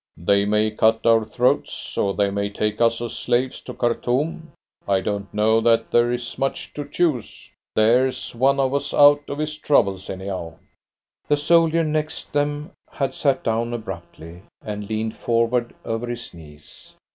"They may cut our throats, or they may take us as slaves to Khartoum. I don't know that there is much to choose. There's one of us out of his troubles anyhow." The soldier next them had sat down abruptly, and leaned forward over his knees.